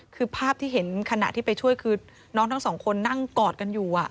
คือภาพที่เห็นขณะที่ไปช่วยคือน้องทั้งสองคนนั่งกอดกันอยู่